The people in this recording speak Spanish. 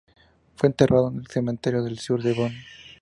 Fue enterrado en el Cementerio del Sur de Bonn.